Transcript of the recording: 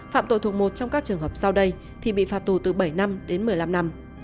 phạm tội thuộc một trong các trường hợp sau đây thì bị phạt tù từ bảy năm đến một mươi năm năm